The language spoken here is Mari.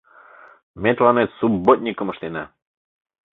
Ме тыланет субботникым ыштена!